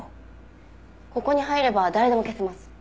ここに入れば誰でも消せます。